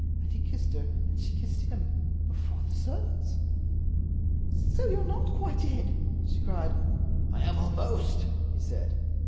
And he kissed her, and she kissed him—before the servants. "So you're not quite dead?" she cried. "I am almost," he said.